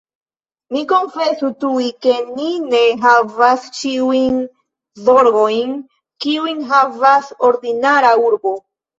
Mi konfesu tuj, ke ni ne havas ĉiujn zorgojn, kiujn havas ordinara urbo.